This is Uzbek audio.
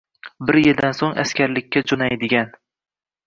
Bir yildan so'ng askarlikka jo'naydigan